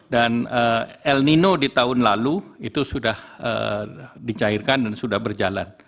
dan el nino di tahun lalu itu sudah dicairkan dan sudah berjalan